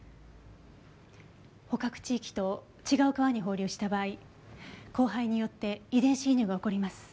捕獲地域と違う川に放流した場合交配によって遺伝子移入が起こります。